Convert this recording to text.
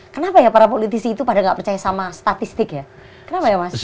kenapa ya para politisi itu pada nggak percaya sama statistik ya kenapa ya mas